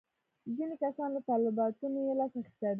ځینې کسان له طالبتوبه یې لاس اخیستی دی.